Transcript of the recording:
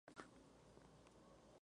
Tiene solamente dos notas.